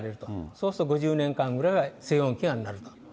そうすると５０年間ぐらいは静穏期になると。